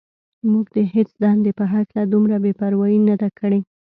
موږ د هېڅ دندې په هکله دومره بې پروايي نه ده کړې.